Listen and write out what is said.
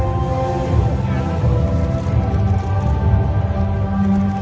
สโลแมคริปราบาล